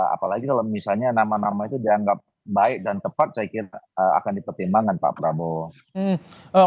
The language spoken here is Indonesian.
apalagi kalau misalnya nama nama itu dianggap baik dan tepat saya kira akan dipertimbangkan pak prabowo